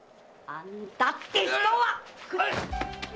あんたって人は！